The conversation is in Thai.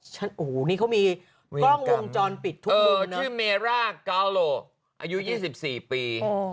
โอ้โหนี่เขามีกล้องวงจรปิดทุกเบอร์ชื่อเมร่ากาโหลอายุ๒๔ปี